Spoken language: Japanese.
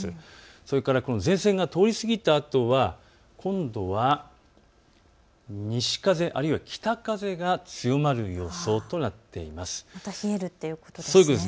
それから前線が通りすぎたあとは今度は西風、あるいは北風が強まる予想となっています。